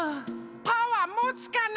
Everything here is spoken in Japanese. パワーもつかな？